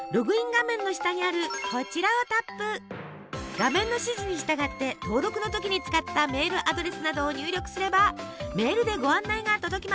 画面の指示に従って登録の時に使ったメールアドレスなどを入力すればメールでご案内が届きます。